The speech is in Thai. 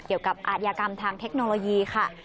เกี่ยวกับอาทยากรรมทางเทคโนโลยีค่ะ